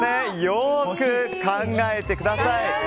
よく考えてください。